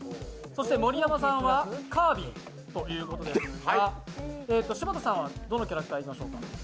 盛山さんはカービィということですが、柴田さんはどのキャラクターいきましょう？